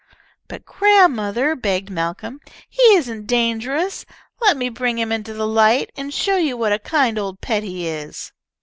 "But, grandmother," begged Malcolm, "he isn't dangerous. Let me bring him into the light, and show you what a kind old pet he is."